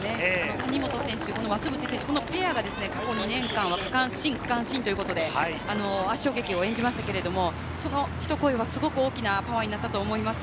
谷本選手、増渕選手、このペアが過去２年間は区間新、区間新ということで圧勝劇を演じましたが、そのひと声はすごく大きなパワーになったと思います。